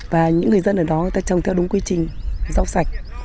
và những người dân ở đó người ta trồng theo đúng quy trình rau sạch